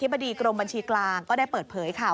บดีกรมบัญชีกลางก็ได้เปิดเผยค่ะ